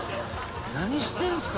何してんすか？